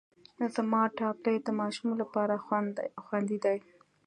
زما ټابلیټ د ماشوم لپاره خوندي دی.